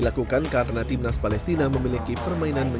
jadi kami sedang berpengalaman untuk memperbaiki hal ini